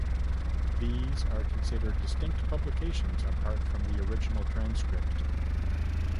These are considered distinct publications apart from the original "Transcript".